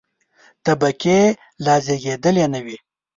طبقې لا زېږېدلې نه وې.